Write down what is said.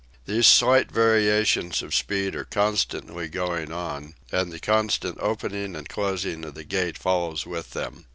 These slight variations of speed are constantly going on, and the constant opening and closing of the gate follows with them.